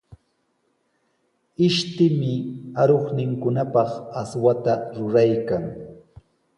Ishtimi aruqninkunapaq aswata ruraykan.